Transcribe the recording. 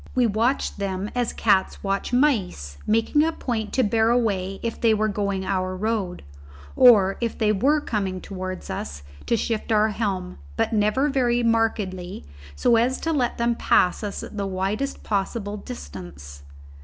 We watched them as cats watch mice; making a point to bear away if they were going our road, or, if they were coming towards us, to shift our helm but never very markedly so as to let them pass us at the widest possible distance.